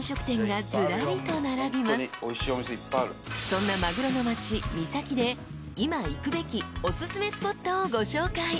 ［そんなマグロの町三崎で今行くべきオススメスポットをご紹介！